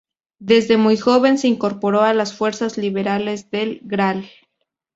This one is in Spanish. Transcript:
Desde muy joven se incorporó a las fuerzas liberales del Gral.